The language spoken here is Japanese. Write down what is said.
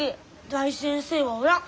大先生はおらん。